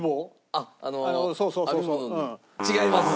違います。